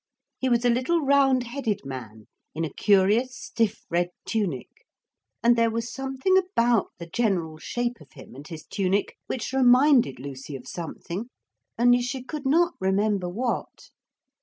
He was a little round headed man in a curious stiff red tunic, and there was something about the general shape of him and his tunic which reminded Lucy of something, only she could not remember what.